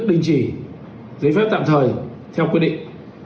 và các hình thức đình chỉ giấy phép tạm thời theo quy định